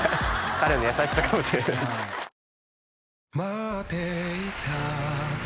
彼の優しさかもしれないです・久しぶり！